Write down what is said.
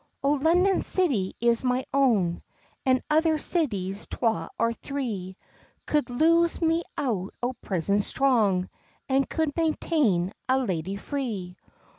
"O London city is my own, An other citys twa or three, Coud loose me out o prison strong, An could maintain a lady free."